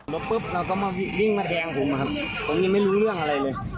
รถปุ๊บเราก็มาวิ่งมาแทงผมนะครับผมยังไม่รู้เรื่องอะไรเลย